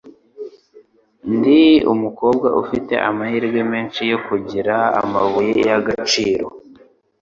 Ndi umukobwa ufite amahirwe menshi yo kugira amabuye y'agaciro